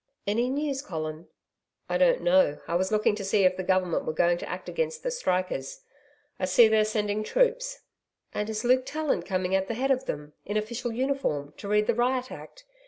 'Any news, Colin?' 'I don't know, I was looking to see if the Government were going to act against the strikers I see they are sending troops.' 'And is Luke Tallant coming at the head of them, in official uniform, to read the Riot Act?